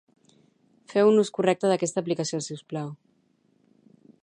Feu un ús correcte d'aquesta aplicació, siusplau